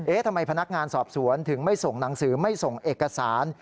ทำไมพนักงานสอบสวนถึงไม่ส่งหนังสือไม่ส่งเอกสาร